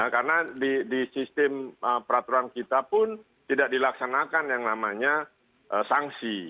karena di sistem peraturan kita pun tidak dilaksanakan yang namanya sangsi